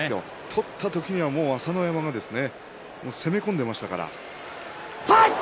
取った時にはもう朝乃山が攻め込んでいましたから。